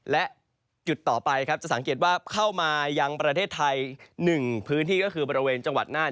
และจุดต่อไปครับจะสังเกตว่าเข้ามายังประเทศไทย๑พื้นที่ก็คือบริเวณจังหวัดน่าน